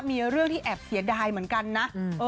มีเรื่องที่แอบเสียดายเหมือนกันนะ